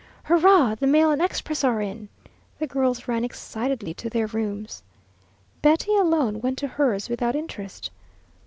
"Hurrah, the mail and express are in!" The girls ran excitedly to their rooms. Betty alone went to hers without interest.